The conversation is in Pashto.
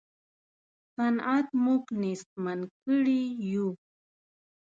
صنعت موږ نېستمن کړي یو.